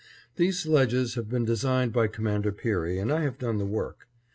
These sledges have been designed by Commander Peary and I have done the work.